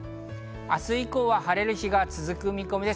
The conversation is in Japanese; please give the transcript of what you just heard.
明日以降、晴れる日が続く見込みです。